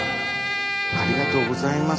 ありがとうございます。